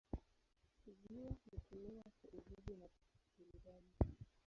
Ziwa hutumiwa kwa uvuvi na burudani.